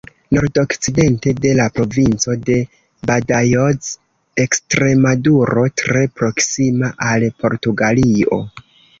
Nordokcidente de la Provinco de Badajoz, Ekstremaduro, tre proksima al Portugalio.